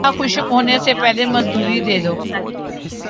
پسینہ خشک ہونے سے پہلے مزدوری دے دو